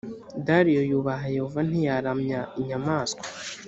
dariyo yubaha yehova ntiyaramya inyamaswa